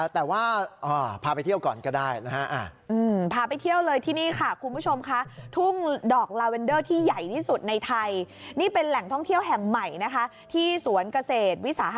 แต่ว่าพาไปเที่ยวก่อนก็ได้นะฮะ